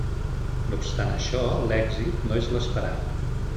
No obstant això, l'èxit no és l'esperat.